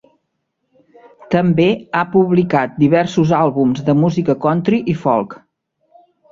També ha publicat diversos àlbums de música country i folk.